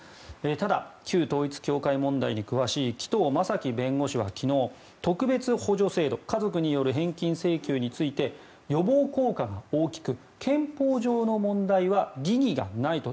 ただ、旧統一教会問題に詳しい紀藤正樹弁護士は昨日、特別補助制度家族による返金請求について予防効果が大きく憲法上の問題は疑義がないと。